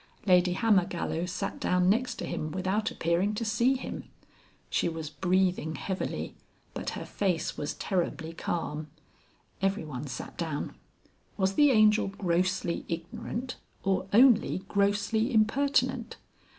Lady Hammergallow sat down next to him without appearing to see him. She was breathing heavily, but her face was terribly calm. Everyone sat down. Was the Angel grossly ignorant or only grossly impertinent?